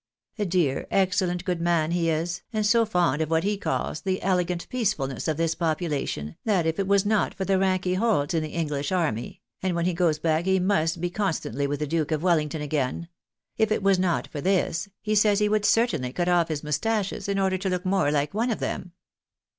A dear, excellent good AUTHORITY FOR AN UNDERTAKING. 225 man lie is, and so fond of what he calls the elegant peacefulness of this population, that if it was not for the rank he holds in the English army (and when he goes back he must be constantly with the Duke of Wellington again) — if it was not for this, he says he would certainly cut off his mustaches ia order to look more like one of them."